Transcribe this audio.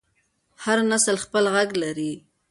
هر نسل خپل غږ لري